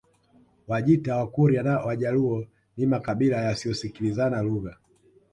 Wajita Wakurya na Wajaluo ni makabila yasiyosikilizana lugha